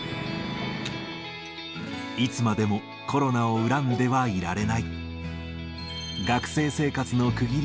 いつまでもコロナを恨んではいられない。